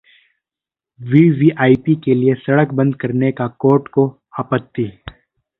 VVIP के लिए सड़क बंद करने पर कोर्ट को आपत्ति